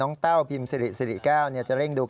นายยกรัฐมนตรีพบกับทัพนักกีฬาที่กลับมาจากโอลิมปิก๒๐๑๖